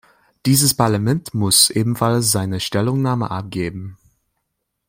Dieses Parlament muss ebenfalls seine Stellungnahme abgeben.